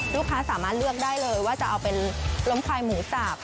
ลูกค้าสามารถเลือกได้เลยว่าจะเอาเป็นล้มควายหมูสับ